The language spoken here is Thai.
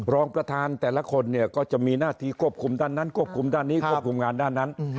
รองประธานแต่ละคนเนี่ยก็จะมีหน้าที่ควบคุมด้านนั้นควบคุมด้านนี้ควบคุมงานด้านนั้น